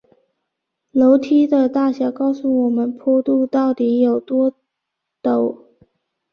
梯度的大小告诉我们坡度到底有多陡。